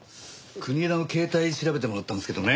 国枝の携帯調べてもらったんですけどね